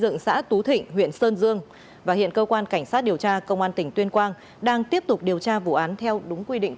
nguyên phó phòng tín dụng